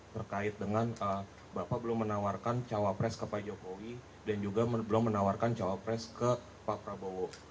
terkait dengan bapak belum menawarkan cawapres ke pak jokowi dan juga belum menawarkan cawapres ke pak prabowo